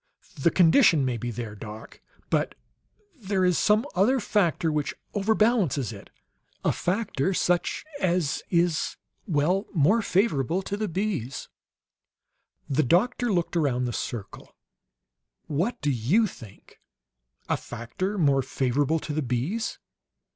"The condition may be there, doc, but there is some other factor which overbalances it; a factor such as is well, more favorable to the bees." The doctor looked around the circle. "What do you think? 'A factor more favorable to the bees.'